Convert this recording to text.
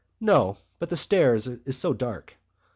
"No, but the stairs is so dark."